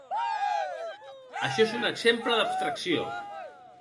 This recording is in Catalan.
Això és un exemple d'abstracció.